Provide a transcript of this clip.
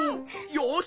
よし！